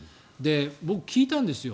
僕、聞いたんですよ。